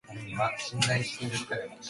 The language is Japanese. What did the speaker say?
誰一人触れさせやしない